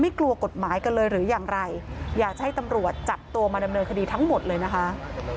กลัวกฎหมายกันเลยหรืออย่างไรอยากจะให้ตำรวจจับตัวมาดำเนินคดีทั้งหมดเลยนะคะ